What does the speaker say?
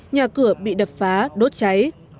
nhà cửa bị đập phá đốt cháy